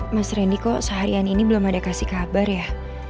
mas rendy kok seharian ini belum ada kasih kabar ya